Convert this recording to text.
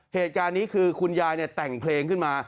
เหตุการณ์นี้คือคุณยายแต่งเพลงขึ้นมา